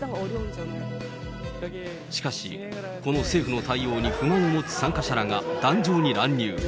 しかし、この政府の対応に不満を持つ参加者らが壇上に乱入。